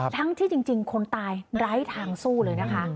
ทั้งที่จริงคนตายไร้ทางสู้เลยนะคะ